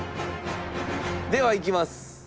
ではいきます。